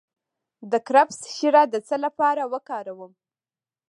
د کرفس شیره د څه لپاره وکاروم؟